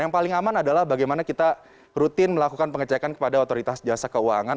yang paling aman adalah bagaimana kita rutin melakukan pengecekan kepada otoritas jasa keuangan